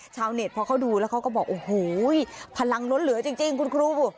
ชาวเน็ตพอเขาดูแล้วเขาก็บอกโอ้โหพลังล้นเหลือจริงคุณครู